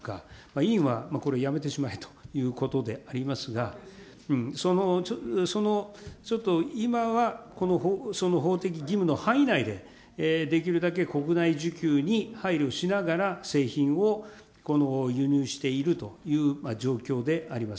委員はこれ、やめてしまえということでありますが、ちょっと今は、その法的義務の範囲内でできるだけ国内需給に配慮しながら、製品を輸入しているという状況であります。